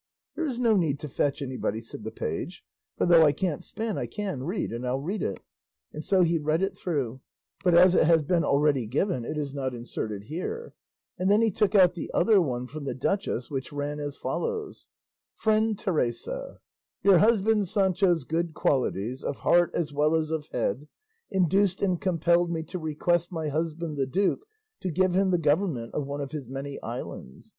"There is no need to fetch anybody," said the page; "for though I can't spin I can read, and I'll read it;" and so he read it through, but as it has been already given it is not inserted here; and then he took out the other one from the duchess, which ran as follows: Friend Teresa, Your husband Sancho's good qualities, of heart as well as of head, induced and compelled me to request my husband the duke to give him the government of one of his many islands.